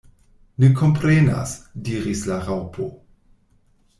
"Ne komprenas," diris la Raŭpo.